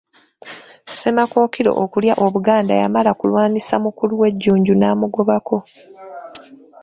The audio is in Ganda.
Ssemakookiro okulya Obuganda yamala kulwanyisa mukulu we Jjunju n'amugobako.